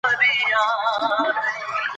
ټولنپوهنه تر نورو علومو په زړه پورې ده.